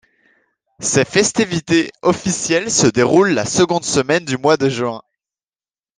Ses festivités officielles se déroulent la seconde semaine du mois de juin.